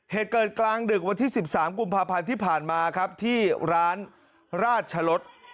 เหตุเกิดกลางดึกวันที่๑๓กุมภาพันธ์ที่ผ่านมาครับที่ร้านราชรส